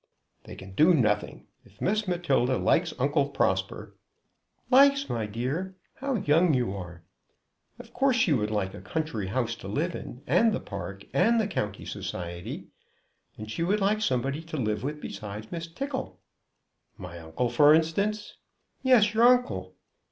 "They can do nothing. If Miss Matilda likes Uncle Prosper " "Likes, my dear! How young you are! Of course she would like a country house to live in, and the park, and the county society. And she would like somebody to live with besides Miss Tickle." "My uncle, for instance." "Yes, your uncle."